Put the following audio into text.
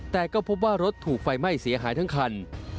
แต่ก็พบว่ารถถูกไฟไหม้เสียหายทั้งคัน